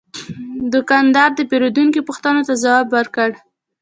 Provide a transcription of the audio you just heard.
دوکاندار د پیرودونکي پوښتنو ته ځواب ورکړ.